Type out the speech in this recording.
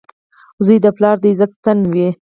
• زوی د پلار د عزت ستن وي.